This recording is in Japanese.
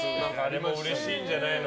でもうれしいんじゃないの？